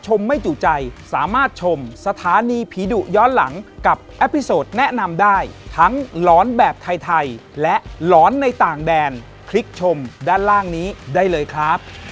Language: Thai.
ขอบคุณนะครับขอบคุณค่ะขอบคุณค่ะ